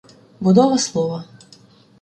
Будова слова